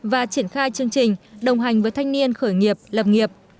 và triển khai chương trình đồng hành với thanh niên khởi nghiệp lập nghiệp